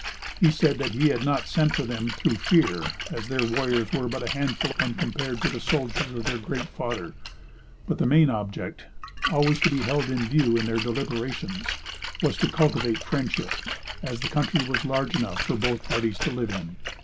He said that he had not sent for them through fear, as their warriors were but a handful when compared to the soldiers of their "Great Father;" but the main object, always to be held in view in their deliberations, was to cultivate friendship, as the country was large enough for both parties to live in.